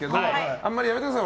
あんまり、やめてください。